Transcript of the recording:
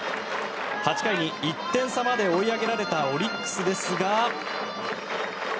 ８回に１点差まで追い上げられたオリックスですが。